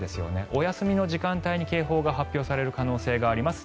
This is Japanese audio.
お休みの時間帯に警報が発表される可能性があります。